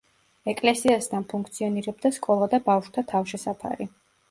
ეკლესიასთან ფუნქციონირებდა სკოლა და ბავშვთა თავშესაფარი.